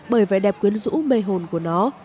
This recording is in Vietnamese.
bởi vẻ đẹp quyến rũ mê hồn của nó